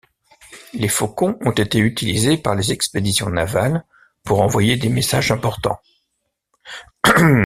Les faucons ont été utilisés par les expéditions navales pour envoyer des messages importants.